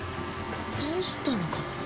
倒したのか？